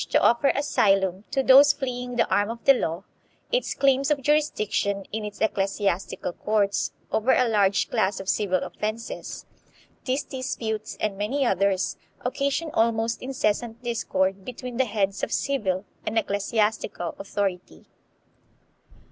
to offer asylum to those fleeing the arm of the law; its claims of jurisdiction, in its ecclesiastical courts, over a large class of civil offenses these disputes and many others, occasioned almost incessant discord between the heads of civil and ecclesiastical authority.